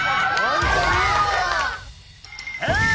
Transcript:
えっ！